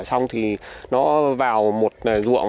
xong thì nó vào một ruộng